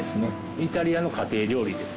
イタリアの家庭料理です。